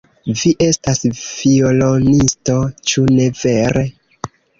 Vi estas violonisto, ĉu ne vere?